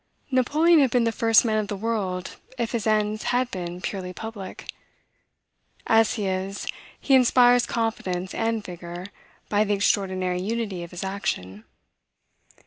Napoleon had been the first man of the world if his ends had been purely public. As he is, he inspires confidence and vigor by the extraordinary unity of his action.